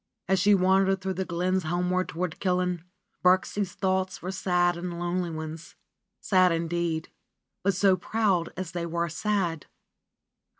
As she wandered through the glens homeward toward Killin, Birksie's thoughts were sad and lonely ones, sad indeed, but so proud as they were sad.